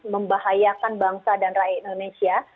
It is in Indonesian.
membahayakan bangsa dan rakyat indonesia